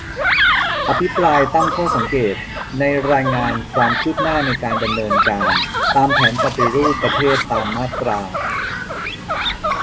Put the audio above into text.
อภิปรายตั้งข้อสังเกต ในรายงานความคืบหน้าในการดำเนินการตามแผนปฏิรูปประเทศตามมาตรา